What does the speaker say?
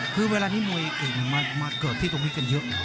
คือเวลานี้มวยอื่นมาเกิดที่ตรงนี้กันเยอะ